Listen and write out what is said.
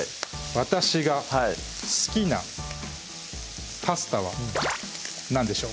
私が好きなパスタは何でしょう？